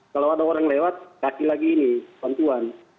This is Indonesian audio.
kalau ada orang lewat kasih lagi ini bantuan